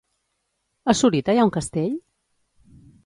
A Sorita hi ha un castell?